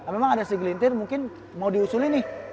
memang ada segelintir mungkin mau diusulin nih